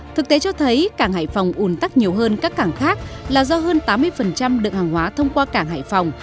thực tế cho thấy cảng hải phòng ủn tắc nhiều hơn các cảng khác là do hơn tám mươi lượng hàng hóa thông qua cảng hải phòng